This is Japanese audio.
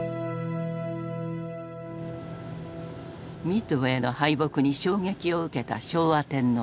ミッドウェーの敗北に衝撃を受けた昭和天皇。